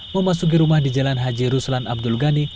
memasuki rumah di jalan haji ruslan abdul ghani